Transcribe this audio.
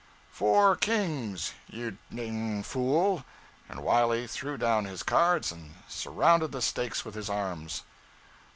'Four kings, you d d fool!' and Wiley threw down his cards and surrounded the stakes with his arms.